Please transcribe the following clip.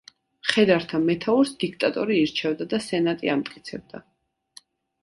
მხედართა მეთაურს დიქტატორი ირჩევდა და სენატი ამტკიცებდა.